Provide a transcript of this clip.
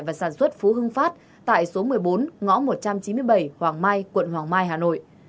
và sản xuất phú hưng phát tại số một mươi bốn ngõ một trăm chín mươi bảy hoàng mai quận hoàng mai hà nội